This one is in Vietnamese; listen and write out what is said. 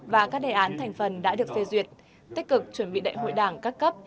và các đề án thành phần đã được phê duyệt tích cực chuẩn bị đại hội đảng các cấp